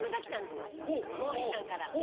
毛利さんから。